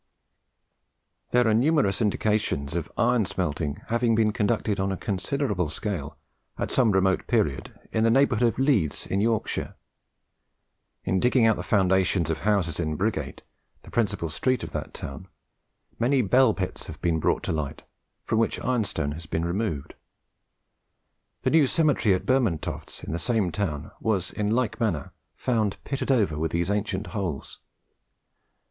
There are numerous indications of iron smelting having been conducted on a considerable scale at some remote period in the neighbourhood of Leeds, in Yorkshire. In digging out the foundations of houses in Briggate, the principal street of that town, many "bell pits" have been brought to light, from which ironstone has been removed. The new cemetery at Burmandtofts, in the same town, was in like manner found pitted over with these ancient holes.